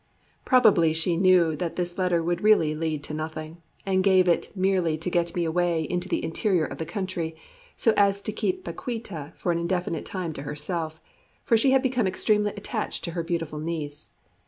Probably she knew that this letter would really lead to nothing, and gave it merely to get me away into the interior of the country, so as to keep Paquíta for an indefinite time to herself, for she had become extremely attached to her beautiful niece.